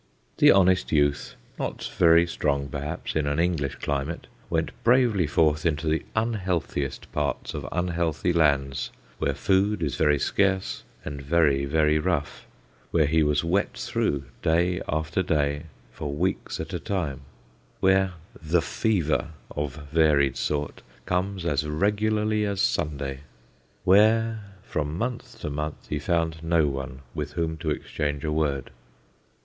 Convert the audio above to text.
The honest youth, not very strong perhaps in an English climate, went bravely forth into the unhealthiest parts of unhealthy lands, where food is very scarce, and very, very rough; where he was wet through day after day, for weeks at a time; where "the fever," of varied sort, comes as regularly as Sunday; where from month to month he found no one with whom to exchange a word.